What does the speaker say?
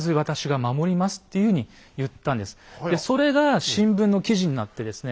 それが新聞の記事になってですね